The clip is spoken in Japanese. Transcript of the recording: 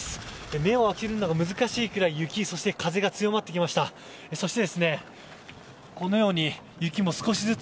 目を開けるのが難しいくらい雪そして風が強まってきました。